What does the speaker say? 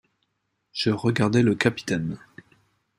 Je regardai le capitaine.